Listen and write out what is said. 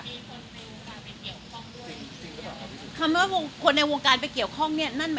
คำว่าคนในวงการไปเกี่ยวข้องเนี่ย